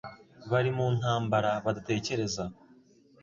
Bari mu ntambara badatekereza